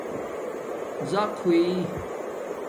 زراق ہوئ